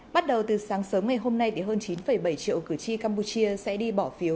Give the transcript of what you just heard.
bắt đầu từ sáng sớm ngày hôm nay thì hơn chín bảy triệu cử tri campuchia sẽ đi bỏ phiếu